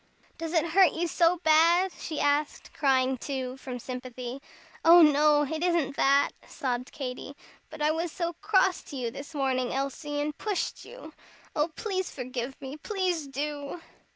"Does it hurt you so bad?" she asked, crying, too, from sympathy. "Oh, no! it isn't that," sobbed Katy, "but I was so cross to you this morning, Elsie, and pushed you. Oh, please forgive me, please do!"